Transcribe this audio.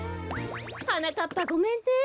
はなかっぱごめんね。